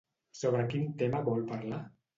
Sobre quin tema vol parlar?